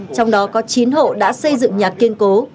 trong đó có chín hộ đã xây dựng nhà kiên cố